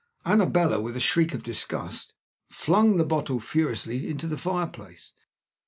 Annabella, with a shriek of disgust, flung the bottle furiously into the fireplace.